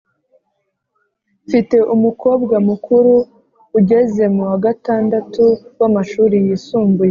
Mfite umukobwa mukuru ugeze muwa gatandatu w amashuri yisumbuye